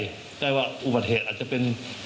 ได้ว่าอุบัติเหตุอาจจะเป็น